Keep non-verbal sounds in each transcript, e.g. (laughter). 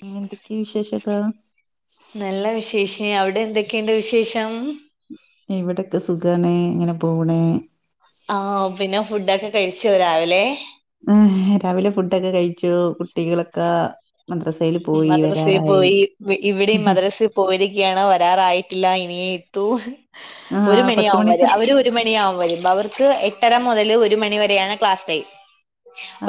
പിന്നെന്തൊക്കേ വിശേഷൊക്കേ നല്ല വിശേഷം അവിടെ എന്തൊക്കെയുണ്ട് വിശേഷം? ഇവിടൊക്കെ സുഖാണ് ഇങ്ങനെ പോണേ ആഹ് പിന്നെ ഫുഡൊക്കെ കഴിച്ചോ രാവിലെ? രാവിലെ ഫുഡൊക്കെ കഴിച്ചു കുട്ടികളൊക്കെ മദ്രസയില് പോ മദ്രസയിൽ പോയി ഇവിടെയും മദ്രസ് പോരിക്കയാണ് വരാറായിട്ടില്ല ഇനി ഇത്തൂ ആഹ് ഒരു പത്ത് മണിയവും മണിക്ക് വരാ അവര് ഒരു മണിയാവും വരുമ്പ അവർക്ക് എട്ടര മുതല് ഒരു മണിവരെയാണ് ക്ലാസ്ടൈം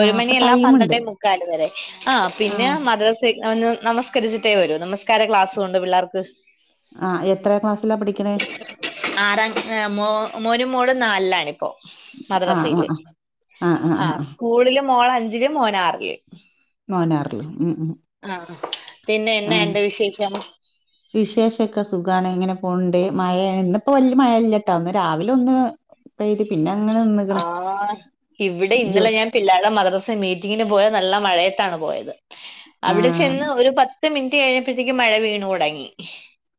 ഒരു ആഹ് അപ്പൊ മണിയെല്ല ടൈമുണ്ട് പന്ത്രണ്ടേ മുക്കാല് വരെ ആഹ് പിന്നെ മദ്ര ഒന്ന് നമസ്കരിച്ചട്ടേ വരൂ ന കാര ക്ലാസുണ്ട് പിള്ളേർക്ക് ആഹ് എത്ര ക്ലാസ്സിലാ പഠിക്കണേ ആറാ മോ മോനും മോളും നാലിലാണ്. പ്പോ ആഹ് മദ്രസയില് ആഹ് ആഹ് സ്കൂളില് മോള അഞ്ചില് മോനാറില് മോനാറിൽ മ്ം മ്മ് ആഹ് പിന്നെ എന്ന ഉണ്ട് വിശേഷം? വിശേഷൊക്കെ സുഖമാണ് ഇങ്ങനെ പോണ്ട് മഴ ഇന്നിപ്പോ വലിയ മഴ ഇല്ലട്ടാ ഒന്ന് രാവിലെ ഒന്ന്- പെയ്ത് പിന്നങ്ങനെ നിന്ക്കണ് (unintelligible) പിള്ളാര്ടെ മദ്രസേ മീറ്റിങ്ങിന് പോയത് നല്ല മഴയത്താണ് പോയത്. അവിടെ ആഹ് ചെന്ന് ഒരു പത്ത് പത്ത് മിനിറ്റ് കഴിഞ്ഞപ്പഴത്തേക്ക് മഴ വീണു തൊടങ്ങി.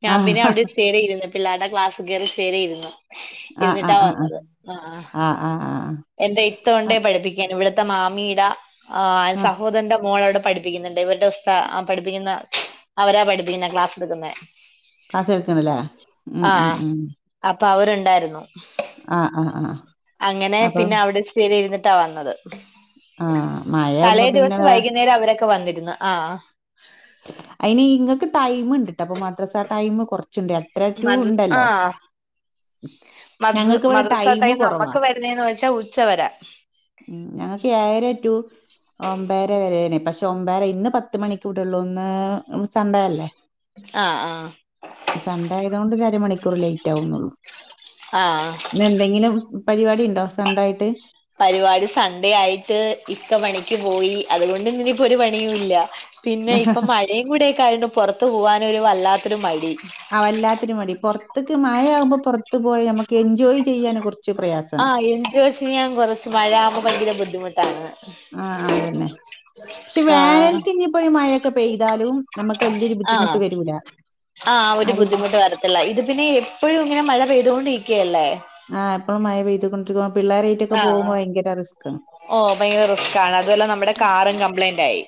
ഞാൻ ആഹ് പിന്നെ അവിടെ കസേരേലിരു പിള്ളേര്ടെ ക്ലാസികേറി സേരേരുന്നു. ആഹ് ഇരുന്നിട്ടാ ആഹ് ആഹ് വന്നത്. ആഹ് ആഹ് ആഹ് എൻറെ ഇത്ത ആഹ് ഉണ്ടേ പഠിപ്പിക്കാൻ ഇവിടുത്തെ മാമീടാ ആഹ് സഹോദരന്റെ മോളവ്ടെ പഠി പഠിപ്പിക്കുന്നുണ്ട്. ഇവര്ടെ ഉസ്താ ആ പഠിപ്പിക്കുന്ന അവരാ പഠിപ്പിക്കുന്നത് ക്ലാസ്സെടുക്കുന്നെ. ക്ലാസ്സെടുക്കണല്ലേ ഉം ഉം ആഹ്, ഉം അപ്പൊ അവരുണ്ടായിരുന്നു. ആഹ് ആഹ് ആഹ്. അങ്ങനെ അപ്പൊ പിന്നെ അവിടെ ച്ചിരിരുന്നിട്ടാ വന്നത്. ആഹ് മഴയാവുമ്പോ പിന്നെ തലേദിവസം വേ വൈകുന്നേരം അവരൊക്കെ വന്നിരുന്നു ആഹ് അയിന് ഇങ്ങക്ക് ടൈമ്ണ്ട്ട്ടോ പ്പൊ മദ്രസ ടൈമ് കുറച്ച്ണ്ട് എട്ടരാ ടൂ ഉണ്ടല്ലോ? മദ് മദറസ ടൈം നമ്മക്ക് വരുന്നേന്ന് വെച്ചാ ഉച്ചവരെ. ഉം ഞങ്ങക്ക് ഏഴര ടൂ ഒമ്പതര വരേണേ പക്ഷെ ഒമ്പര ഇന്ന് പത്ത് മണി- ള്ളൂ ഇന്ന് സണ്ടേ അല്ലേ? ആഹ് ആഹ് സൺഡേ ആയതുകൊണ്ട് ഒരരമണിക്കൂർ ലേറ്റാവുന്നൊള്ളൂ. ആഹ് ഇന്നെന്തെങ്കിലും പരിവാടിയുണ്ടോ സൺ‌ഡേ ആയിട്ട്? പരിവാടി സൺണ്ടേ ആയിട്ട് ഇക്ക പണിക്ക് പോയി, അതുകൊണ്ട് ഇന്നിനിപ്പൊരു പണിയൂല്ല. പിന്നെ ഇപ്പം മഴയും കൂടെയൊക്കെയായോണ്ട് പുറത്തു പോകാനൊരു വല്ലാത്തൊരു മടി. ആ വല്ലാത്തൊരു മടി. പൊറത്ത്ക്ക് മഴ ആകുമ്പോ പൊറത്തു പോയി ഞമ്മക്ക് എൻജോയ് ചെയ്യാന് കുറച്ച് പ്രയാസ ആഹ് എൻജോയ് ചെയ്യാൻ കൊറച്ച് മഴയാവുമ്പോ ഭയങ്കര ബുദ്ധിമുട്ടാണ്. ആ ആഹ് അതന്നെ. പക്ഷെ ആഹ് വേനൽക്ക് ഇനിപ്പൊരു മഴയൊക്കെ പെയ്താലും നമ്മക്ക് വല്ല്യോരു ആഹ് ബുദ്ധിമുട്ട് വരൂല. ആഹ് ഒരു അത് ബുദ്ധിമുട്ട് വരത്തില്ല. ഇത് പിന്നെ എപ്പഴും ഇങ്ങനെ മഴ പെയ്തോണ്ടിക്കല്ലേ? ആഹ് എപ്പഴും മഴപെയ്ത് കൊണ്ടി ആഹ്, ഓഹ് ഭയങ്കര റിസ്ക്കാണ് അതോല്ല നമ്മടെ കാറും കംപ്ലൈന്റായി.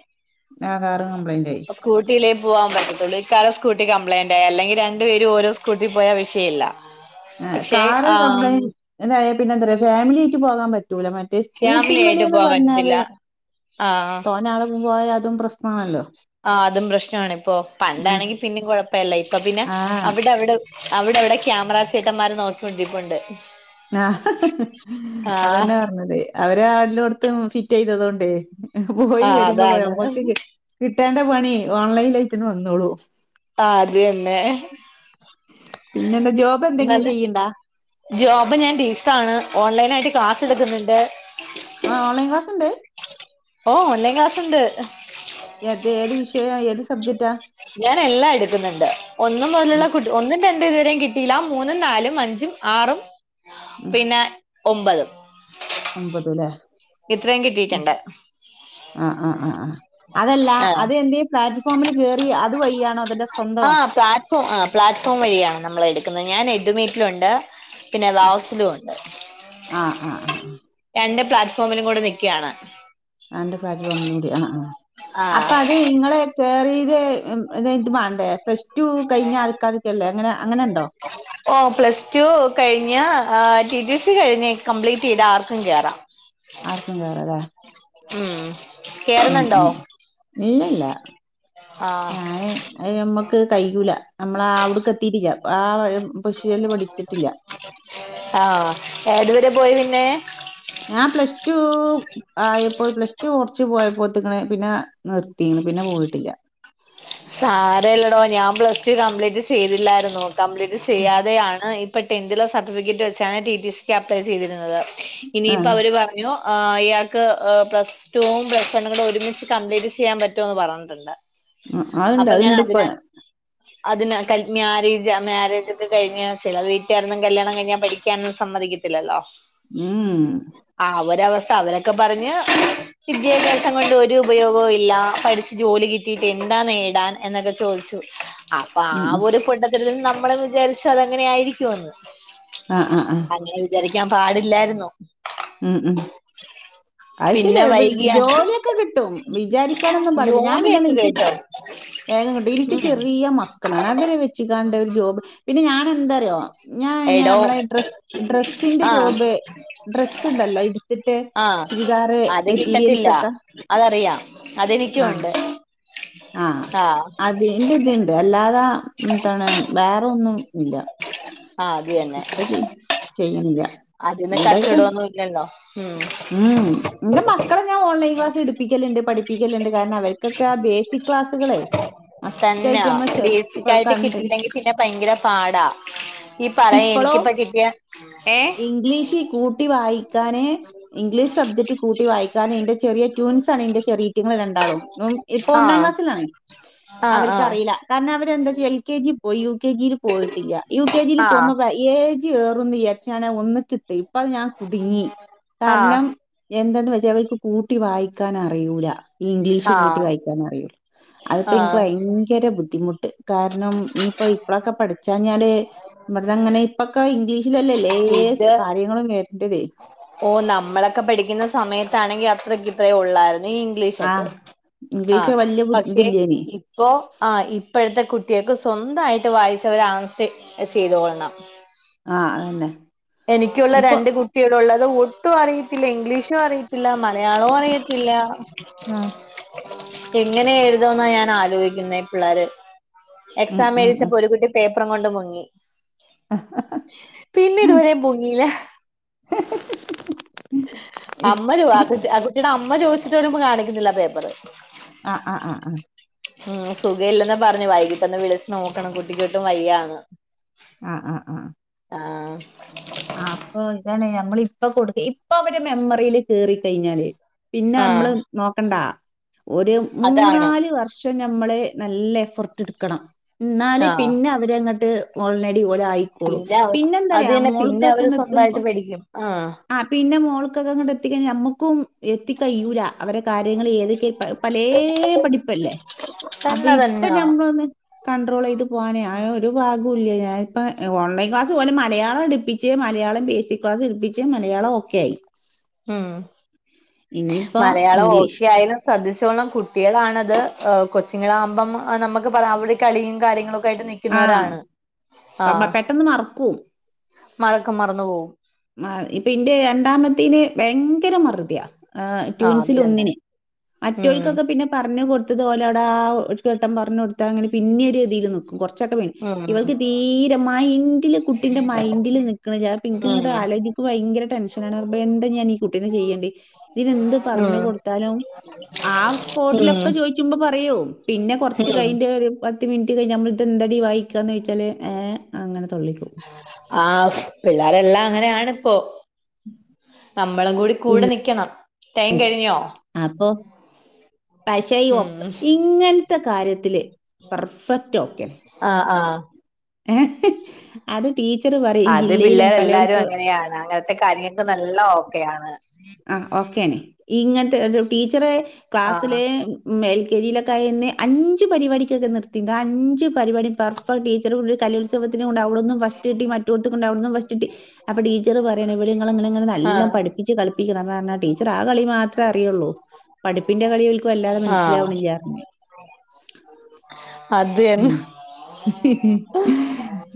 ആഹ് കാറ് കംപ്ലൈയിന്റായി. സ്കൂട്ടിയിലേ പോവാൻ പറ്റത്തൊള്ളൂ. ഇക്കാടെ സ്കൂട്ടി കംപ്ലയിന്റായി. അല്ലെങ്കി രണ്ടുപേരും ഓരോ സ്കൂടീ പോയാ വിഷയല്ല. ആഹ് കാറ് കംപ്ലയിന്റ് ആയ പിന്നെന്താറിയോ ഫാമിലിയായിട്ട് പോകാൻ പറ്റൂല മറ്റേ ഫാമിലി ആയിട്ട് സ്കൂട്ടിമ്മല്ന്ന് പോവാൻ പറ്റത്തില്ല പറഞ്ഞാല് ആഹ് തോനാളൊപ്പം പോയാ അതും പ്രശ്നാണല്ലോ? ആഹ് അതും പ്രശ്നാണിപ്പൊ. പണ്ടാണെങ്കി പിന്നീ കൊഴപ്പല്ല. ഇപ്പൊ പിന്നെ ആ അവടെവടെ അവിടെവടെ ക്യാമറ ചേട്ടന്മാര് നോക്കീകൊണ്ടിരിപ്പുണ്ട്. ആഹ് അതന്നെ പറഞ്ഞതെ അവര് എല്ലോട്ത്തും ഫിറ്റയ്തതോണ്ടേ പോയി ആഹ് വരുമ്പക്ക് അതാണ് ഞമ്മക്ക് കി കിട്ടേണ്ട പണി ഓൺലൈനായിട്ട്ങ്ങ്ട് വന്നോളും. ആഹ് അത് തന്നെ. പിന്നെന്താ ജോബെന്തെങ്കിലും നല്ല ചെയ്യ്ണ്ടോ? ജോബ് ഞാൻ ടീച്ചറാണ്. ഓൺലൈനായിട്ട് ക്ലാസ് എടുക്കുന്നുണ്ട്. ആഹ് ഓൺലൈൻ ക്ലാസ്സ്ണ്ട്? ഓഹ് ഓൺലൈൻ ക്ലാസ്സ്ണ്ട്. ഏത് ഏത് വിഷയ ഏത് സബ്ജക്റ്റാ? ഞാൻ എല്ലാം എടുക്കുന്നുണ്ട്. ഒന്നു മുതലുള്ള എടുക്ക ഒന്നും രണ്ടും ഇതുവരെയും കിട്ടിയില്ല. മൂന്നും നാലും അഞ്ചും ആറും പിന്നെ ഒമ്പതും. ഒമ്പതൂല്ലേ? ഇത്രയും കിട്ടീട്ടുണ്ട്. ആഹ് ആഹ് ആഹ് ആഹ്. അതല്ല ആഹ് അത് എന്തെങ്കിലും പ്ലാറ്റ്ഫോമില് കേറി അത് വഴിയാണോ അതല്ല സ്വന്തം ഓഹ് ആഹ് പ്ലാറ്റ്ഫോം വഴിയാണ് നമ്മളെടുക്കുന്ന. ഞാൻ എഡ് മീറ്റിലുംണ്ട് പിന്നെ വാവ്സിലുംണ്ട്. ആഹ് ആഹ് ആഹ്. രണ്ട് പ്ലാറ്റ്ഫോമിലും കൂടെ നിക്ക്യാണ്. ആന്റെ ഫ്ളാറ്റ് ഫോമിലൂടി ആഹ് ആഹ് അപ്പൊ ആഹ് അത് ഇങ്ങളെ കേറീതെ ഇത് മാണ്ടേ പ്ര റ്റു കഴിഞ്ഞാൾക്കാർക്കെല്ലേ അങ്ങനെ അങ്ങനെണ്ടോ? ഓ പ്ലസ് ടു കഴിഞ്ഞ ടി ടി സി കഴിഞ്ഞ് കംപ്ലീറ്റ് ചെയ്ത ആർക്കും കേറാം ആർക്കും കേറാലെ ഉം ഉം കേറുന്നുണ്ടോ ഉം ഇല്ലല്ലാ ആഹ് ഞാന് അത് ഞമ്മക്ക് കയ്യൂല നമ്മളാ അവിട്ക്ക് എത്തിട്ടില്ല ആഹ് പൊഷല് പഠിച്ചിട്ടില്ല ആഹ് ഏതുവരെ പോയി പിന്നെ? ഞാൻ പ്ലസ് ടു ആയപ്പോ പ്ലസ് ടു കൊറച്ചു പോയപ്പോത്ത്ക്ക്ണ് പിന്നെ നിർത്തിണ് പിന്നെ പോയിട്ടില്ല (inaudible) സാരല്ലടോ ഞാൻ പ്ലസ് ടു കംപ്ലീറ്റ് ചെയ്തില്ലായിരുന്നു കംപ്ലീറ്റ് ചെയ്യാതെയാണ് ഇപ്പ ടെൻത്തിലെ സർട്ടിഫിക്കറ്റ് വെച്ചാണ് ടി ടി സിക്ക് അപ്ലൈ ചെയ്തിരുന്നത് ആ ഇനിയിപ്പൊ അവര് പറഞ്ഞ് ഞ്ഞു ഇയാൾക്ക് പ്ലസ് ടുവും പ്ലസ് വണ്ണും കൂടി ഒരുമിച്ച് കംപ്ലീറ്റ് ചെയ്യാൻ പറ്റും റ്റൊന്ന് പറഞ്ഞിട്ടുണ്ട് ഉം, അതുണ്ട് അപ്പൊ ഞാൻ അതുണ്ട് ഇപ്പൊ അതിനെ അതിന് കഴിഞ്ഞാല് മാരേജ് ഒക്കെ കഴിഞ്ഞാ ചില വീട്ടുകാരൊന്നും കല്യാണം കഴിഞ്ഞാ പഠിക്കാനൊന്നും സമ്മതിക്കില്ല ഇല്ലാല്ലോ ഉം മ് മ് ആ അവരവസ്ഥ അവരൊക്കെ പറഞ്ഞ് വിദ്യാഭ്യാസം കൊണ്ട് ഒരു ഉപയോഗവും ഇല്ല പഠിച്ച് ജോലി കിട്ടിട്ട് എന്താ നേടാൻ എന്നൊക്കെ ചോദിച്ചു അപ്പൊ ഉം, ആ ഉം. ഒരു ഫ ഇൽ നമ്മള് വിചാരിച്ച അതങ്ങനെ ആയിരിക്കുവെന്ന് ആ ആ ആ വിചാരിക്കാൻ പാടില്ലായിരുന്നു ഉം ഉം അത് പിന്നെ ശെരിയാ വൈകിയ ജോലിയൊക്കെ കിട്ടും വിചാരിക്കാനൊന്നും പാടില്ല ഞാൻ പിന്നെ ജോലിയൊക്കെ നിക്ക് കേട്ടോ വേഗം കിട്ടും എനിക്ക് ഉം ചെറിയ മക്ക മക്കളാണ് അവരെ വെച്ച്ങ്ങാണ്ട് ഒരു ജോബ് പിന്നെ ഞാൻ എന്താറിയോ ഞാൻ ഇങ്ങനെ എടോ നമ്മളെ ഡ്രസ് ഡ്രസ്സിന്റെ ആഹ് ജോബ് ഡ്രസ് സ്ണ്ടല്ലോ എടുത്തിട്ട് ആഹ് ചുരിദാറ് മെറ്റീരിയൽസൊക്കെ അതെനിക്കുംണ്ട് ആഹ് എന്റെ ഇത്ണ്ട് അല്ലാതാ എത്താണ് വേറെ ഒന്നും ഇല്ല ആഹ് അത് തന്നെ ഇപ്പ ചെയ്യണില്ല ഇണ്ടയ്ക്കിന് ഇല്ലലോ ഉം ഉം മ് എന്റെ മക്കളെ ഞാൻ ഓൺലൈൻ ക്ലാസ് എടുപ്പിക്കലുണ്ട് പഠി പ്പിക്കലുണ്ട് കാരണം അവര്ക്കൊക്കെ ആ ബേസിക് ക്ലാസ്സുകളെ മസ്റ്റായിട്ട് നമ്മൾ ചെ കുട്ടിക്കാലത്ത് കിട്ടിയില്ലെങ്കിൽ പിന്നെ ഭയങ്കര പാടാ ഇയ്യ് പറയ് ഇപ്പളോ എനിക്കിപ്പ കിട്ടിയാ ഏഹ് ഇംഗ്ലീഷ് കൂട്ടി വായിക്കാന് ഇംഗ്ലീഷ് സബ്ജക്ട് കൂട്ടി വായിക്കാന് എന്റെ ചെറിയ ടൂൻസാണ് ആണ് ന്റെ ചെറിയേറ്റിങ്ങള് രണ്ടാളും ഉം ഇപ്പൊ ഒന്നാം ആഹ് ക്ലാസ്സിലാണ് ആഹ് ആഹ് അവർക്കറിയിലാ കാരണം അവരെന്താച്ചാ എൽ കെ ജിയിൽ പോയി യു കെ ജിയിൽ പോയിട്ടില്ല യു കെ ജിയി പോമ്പോ ആഹ് ഏജ് ഏറുന്ന് ഇയാരിച്ചാണ്ട് ഒന്ന്ക്ക്‌ട്ട് ഇപ്പ അത് ഞാൻ കുടുങ്ങി ആഹ് കാരണം എന്താെന്ന് വെച്ചാ അവർക്ക് കൂട്ടി വായിക്കാൻ അറിയൂല ഈ ഇംഗ്ലീഷ് കൂട്ടി ആഹ് വായിക്കാൻ അറിയുല അതിപ്പോ എനിക്ക് ആഹ് ഭയ ഭയങ്കര ബുദ്ധിമുട്ട് കാരണം ഇനിയിപ്പോ ഇപ്പളോക്കെ പഠിച്ചാഞ്ഞാല് നമ്മടതങ്ങനെ ഇപ്പൊക്കെ ഇംഗ്ലീഷിലല്ലേലേ ഇത് കാര്യങ്ങളും വര്ണ്ടത് ഓ നമ്മളൊക്കെ പഠിക്കുന്ന സമയത്താണെങ്കിൽ അത്രക്ക്‌ ഇത്രേ ഉള്ളായിരുന്നു ഇംഗ്ലീഷൊക്കെ ആഹ് ആ ഇംഗ്ലീഷ് വല്യ ബു പക്ഷേ ഇതില്ലേനി. ഇ ഇപ്പൊ ആ ഇപ്പോഴത്തെ കുട്ടിയെക്ക് സ്വന്തയിട്ട് വായിച്ച ഒരു ആൻസെ ചെയ്തോള്ളണം ആഹ് അതന്നെ. എനിക്കുള്ള ഇപ്പൊ രണ്ട് കുട്ടി കുട്ട്യോളുള്ളത് ഒട്ടും അറിയി ഇല്ല ഇംഗ്ലീഷും അറിയത്തില്ല മലയാളവും അറിയത്തില്ല ആഹ് എങ്ങനെ എഴുതന്നാ ഞാൻ ആലോചിക്കുന്നെ ഈ പിള്ളേര് ഉം എക്സാം ഉം ഉം എഴുതിചാപ്പോരു കുട്ടി പേപ്പറും കൊണ്ട് മുങ്ങി പിന്നെ ഇതുവരേം പൊങ്ങീ ല്ല ഇപ് അമ്മ ചോ ആ കു ആ കുട്ടിയുടെ അമ്മ ചോദിച്ചിട്ട് പോലും കാണിക്കുന്നില്ല പേപ്പറ് ആഹ് ആഹ് ആഹ് ഉം സുഖ ഇല്ലെന്ന പറഞ്ഞെ വൈകിട്ട് ഒന്ന് വിളിച്ചട്ട് നോക്കണം കുട്ടിക്കോട്ടും വയ്യന്ന പറഞ്ഞേ ആഹ് ആഹ് ആഹ് ആഹ് ആഹ് ആഹ് അപ്പൊ ഇതാണ് ഞമ്മളിപ്പൊ കൊടുക്ക ഇപ്പൊ അവരെ മെമ്മറിയില് കേറിക്കഴിഞ്ഞാല് പിന്നെ ആഹ് നമ്മള് നോക്കണ്ടാ ഒരു അതാണ് മൂന്നാല് വർഷം ഷം നമ്മള് നല്ല എഫർട്ട് എടുക്കണം എന്നല് ആഹ് പിന്നെ അവരങ്ങട്ട് ഓൾനേടി ഒല് ആയിക്കോളും പിന്നെ അത് എന്താറിയാ തന്നെ മോളും പിന്നെ അവര് സ്വന്തായിട്ട് പടിക്കും ആ ആ പിന്നെ മോൾക്ക്ത് എത്തിക്കഴിഞ്ഞാൽ നമ്മുക്കും എത്തി കയുല അവരെ കാര്യങ്ങൾ ഏതൊക്കെ പല പലേ പഠിപ്പല്ലേ അപ്പൊ തന്നെ ഇപ്പൊ തന്നാ ഞമ്മളൊന്ന് കൺട്രോൾ ചെയ്ത് പോകാനേ ആ ഒരു പാഗോല്ല ഞാന ഇപ്പ ഓൺലൈൻ ക്ലാസ്സ് ഓന് മലയാളം എടുപ്പി പിച്ച് മലയാളം ബേസിക് ക്ലാസ് ഇടുപ്പിച്ച് മലയാളം ഒക്കെ ആയി ഉം ഇനിയിപ്പോ മലയാളം ഇംഗ്ലീഷ് ഓക്കെ ആയാലും ശ്രദ്ധിച്ചോളം കുട്ടികളാണത് ഹ കൊച്ചിങ്ങാകുമ്പം നമുക്ക് പറ അവിടെ കളിയും കാര്യങ്ങളൊ രായിട്ട് ആ നിക്കുന്നോരാണ് ആ പ പ- പെട്ടെന്ന് മറക്കും. മറക്കം മറന്നു പോവും ആ ഇപ്പൊ ഇന്റെ രണ്ടാമത്തന് ഭയങ്കര മറുവിയാ ആ് ട്യൂൻ ആഹ് അത് സിൽ തന്നെ ഒന്നിന് ഉം മറ്റോൾക്കൊക്കെ പിന്നെ പറഞ്ഞ കൊടുത്തത് ഓല വിടെ ആ ഒരു ഘട്ടം പറഞ്ഞ കൊടുത്ത അങ്ങനെ പിന്നെ ഒരു രീതിയിൽ നോക്കും കോർ ഉച്ചക്കെ ഉം ഇവൾക്ക് തീരെ മൈന്ഡില് കുട്ടിന്റെ മൈന്ഡില് നിക്കണില്ല അതാപ്പാ ഇത്ങ്ങ്ട്ട് ഉം ആലചക്ക്മ്പോ ഇൻക് ഭയര ടെൻഷനാണ്ണ് റബ്ബേ എന്താ ഞാൻഈ കുട്ടീനെ ചെയ്യണ്ടേ ഇതിനെന്ത് പറഞ്ഞു ഉം കൊടുത്താലും ആ ഉം സ്പോട്ടിലൊക്കെ ചോയിച്ചുമ്പോ പറയും പിന്നെ കുറച്ച് ഉം കഴിഞ്ട്ട് ഒരു പത്ത് മിനിറ്റ് കഴിൽ നള ഇത് എന്തടി വായിക്കയന്ന് ച്ചോച്ചാൽ ആഹ് പിള്ളേരെല്ലാം അങ്ങനെയണ് ഇപ്പോ നമ്മളും കൂടി കൂടെ ഉം. നിക്കണം ടൈം കഴിഞ്ഞോ അപ്പൊ പശയും ഒ ഉം ഇങ്ങനത്തെ കാര്യത്തില് പെർഫെക്റ്റ് ഓക്കെ ആഹ് ആഹ് ഏഹ് അത് ടീച്ചർ പറിം അത് പിള്ളേരെ എല്ലാരും അങ്ങനെയാണ് അങ്ങനത്തെ കാര്യങ്ങക്കക്ക് നല്ല ഓക്കെയ ണ് ആഹ് ഓക്കേയാണ് ഇങ്ങനത്തെ ഒരു ടീച്ചറെ ആഹ് ക്ലാസ്സിലെ ഉം എ ൽ ജി ലൊക്കെ ആയന്ന് അഞ്ച് പരിപാടിക്കൊക്കെ നിർത്തിട്ടണ്ട് അഞ്ച് പരിപാടി പെർഫക്ട് ടീച്ചർ കൂ കലോത്സം വതിന്കൊണ്ടോയി അവിടുന്നു ഫസ്റ്റ് കിട്ടി മറ്റൊടുത്തുക്ക്ണ്ടോയി അവിടുന്നു ഫസ്റ്റ് കിട്ടി അപ്പൊ ടീച്ചർ പറയാണേ ബാലേ ങ്ങള് (unintelligible) ങ്ങനെ എല്ലാം ആഹ് പഠിപ്പിച്ച് കളിപ്പിക്കണം എന്ന് പറഞ്ഞാ ടീച്ചർ ആ കളി മാത്രമേ അറിയുള്ളൂ പഠിന്റെ കളിഓല്ക് വല്ലാതെ ആഹ് മനസ്സിലാവണില്യ അത് തന്നെ ഉം ഇഹ് ഹി ഹി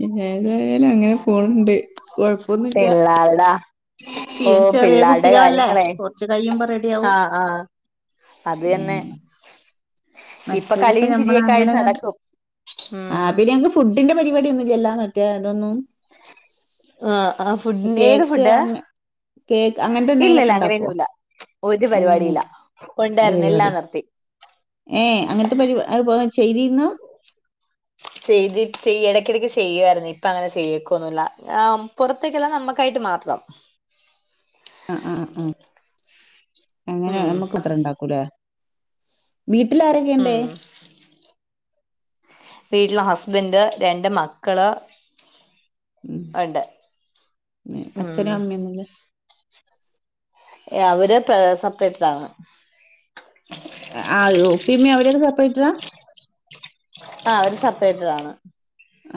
ഹീം ഏതായാലും അങ്ങനെ പോണ് ണ്ട് കാെഴപ്പാെന്നു ഇല്ലാടാ പിയൻ ചെറിയ കുട്ടികളല്ലേ കൊറ്ച്ച് കയ്യുമ്പാെറെഡിയാവും ആഹ് ആഹ് അത് യെന്നെ മറ്റത്പ്പ ഞമ്മളങ്ങനങ്ങ്ട്ട് നടക്കും ആഹ് ഉം പിലയങ്ങ് ഫുഡിന്റെ പരിവാടിയൊന്നുല്യല്ലാ മറ്റേ തൊന്നും ആഹ് ആഹ് ഫുഡിൻ ഏത് കേക്ക് ഫുഡ് അങ്ങ കേക്ക് അങ്ങനത്തെ എന്തെങ്കിലുമൊക്കെ ഇല്ലല്ല ഉണ്ടാക്കുവോ അങ്ങനെയൊന്നുല്ല അങ്ങനെ ഒര്പരിവാടില്ല ഒന്നും ഉണ്ടാര്ന്ന്എല്ലാം നിർത്തി ഏഹ് അങ്ങൻത്തെ പരിവ അത് പോ ചെയ്തിര്ന്നു ചെയ്ത് ചെയ്യ എടക്കിടക്ക് ചെയ്യുവായിര്ന്നു ഇപ്പ അങ്ങനെ ചെയ്യക്കുന്നുല്ല നാം പാെറത്തേക്കെല്ലാം നമ്മക്കായിട്ട് മാത്രം അങ്ങ അങ്ങ അങ്ങനെ ഉം ഞമ്മക്കും അത്ര ഇണ്ടാക്കുലേ വീട്ടിലാരെക്കെയ്ണ്ട് ഉം വീട്ടില് ഹസ്ബെന്റ് രണ്ട് മക്കള് ഉം ആണ്ട ന് അച്ഛനും അമ്മെന്നുല്യ യവര് പേഴ്സപ്ക്കെറ്റാണ് അഷ് ആഹ് ഇള് ഉപ്പിം ഉമ്മിം അവാരൊക്കെ സെപ്പറേറ്റ്ടാ ആഹ് അവര് സപ്പറേറ്റ്ഡ് ആണ്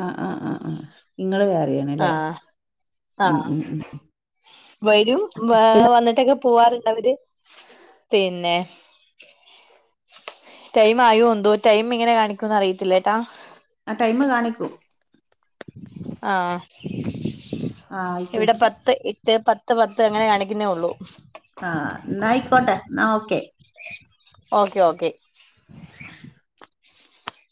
ആഹ് ആഹ് ആഹ് ആഹ് ഇങ്ങള് വേറിയോ ആഹ് ആഹ് ആഹ് വരും വാ വന്ന്ട്ടെക്കെ പുവ്വാറ്ണ്ടതില് പിന്നെ ടൈമായുഉന്തോ ടൈമിങ്ങനെ കാണിക്കുംന്ന് അറിയിത്തില്ലേട്ടാ അടൈമ് കാണിക്കും ആഹ് ആ ആയിക്ക് ഇവിടെ പത്ത് എ ത്തേ പത്ത് പത്ത് അങ്ങനെ കാണിക്ക്ന്നേ ഒള്ളൂ ആഹ് ഇന്നാ ഐക്കോട്ടെ ഇന്നാ ഓക്കെ ഓക്കെ ഓക്കെ